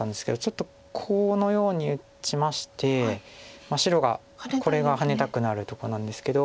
ちょっとこのように打ちまして白がこれはハネたくなるとこなんですけど。